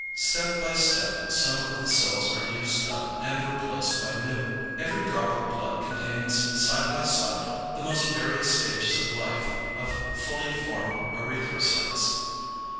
Step by step some of the cells are used up and replaced by new. Every drop of blood contains, side by side, the most various stages of life of fully formed erythrocytes.